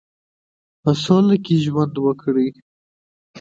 په سوله کې ژوند وکړي.